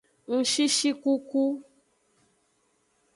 Ngshishikuku.